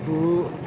nggak ada apa apa